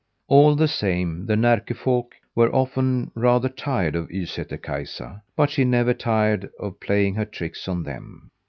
All the same the Närke folk were often rather tired of Ysätter Kaisa, but she never tired of playing her tricks on them.